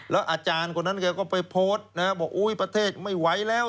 อาจารย์คนนั้นแกก็ไปโพสต์นะบอกอุ๊ยประเทศไม่ไหวแล้ว